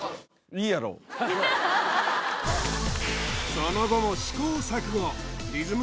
その後も試行錯誤リズム